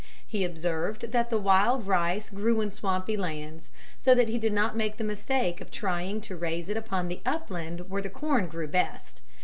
He observed that the wild rice grew in swampy lands, so that he did not make the mistake of trying to raise it upon the upland where the corn grew best.